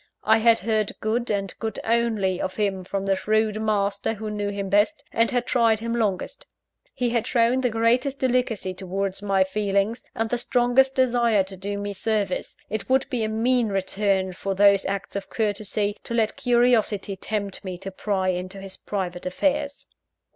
I had heard good, and good only, of him from the shrewd master who knew him best, and had tried him longest. He had shown the greatest delicacy towards my feelings, and the strongest desire to do me service it would be a mean return for those acts of courtesy, to let curiosity tempt me to pry into his private affairs.